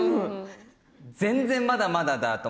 全然まだまだだなって。